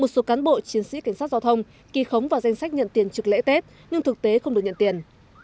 một số cán bộ chiến sĩ cảnh sát giao thông kỳ khống vào danh sách nhận tiền trực lễ tết nhưng thực tế không được nhận tiền